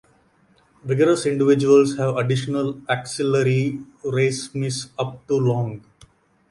Vigorous individuals have additional axillary racemes up to long.